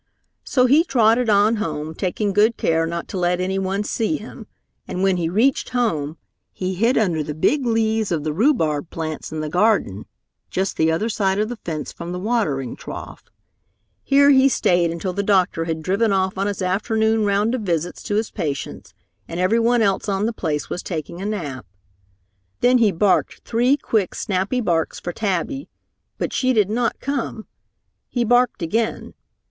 So he trotted on home, taking good care not to let anyone see him. And when he reached home, he hid under the big leaves of the rhubarb plants in the garden just the other side of the fence from the watering trough. Here he stayed until the doctor had driven off on his afternoon round of visits to his patients, and everyone else on the place was taking a nap. Then he barked three quick, snappy barks for Tabby, but she did not come. He barked again.